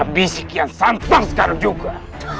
habis kian santan sekarang juga